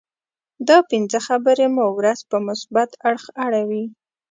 دا پنځه خبرې مو ورځ په مثبت اړخ اړوي.